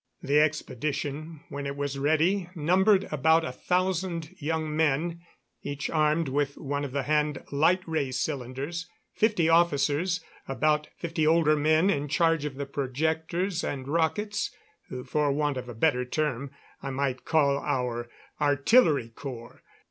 The expedition, when it was ready, numbered about a thousand young men, each armed with one of the hand light ray cylinders; fifty officers, and about fifty older men in charge of the projectors and rockets, who, for want of a better term, I might call our artillery corps.